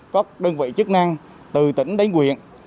các đơn vị chức năng từ tỉnh đến nguyện